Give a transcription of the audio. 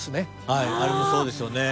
はいあれもそうですよね。